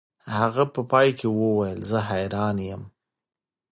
هغه په پای کې وویل زه حیران یم